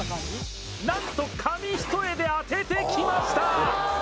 なんと紙一重で当ててきました。